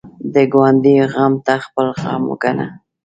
د ګاونډي غم ته خپل غم وګڼه